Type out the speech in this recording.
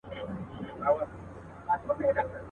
اوس هغه خلک هم لوڅي پښې روان دي.